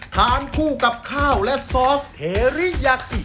ทานคู่กับข้าวและซอสเทริยากิ